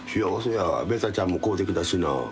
ベタちゃんも買うてきたしな。